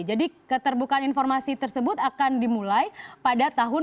jadi keterbukaan informasi tersebut akan dimulai pada tahun dua ribu delapan belas